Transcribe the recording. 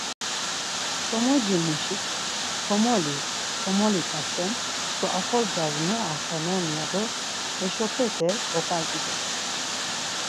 Komoci muşik, Komoli, komoli t̆asen çkva oxorcas mu axenen ya do heşopete oǩaǩides.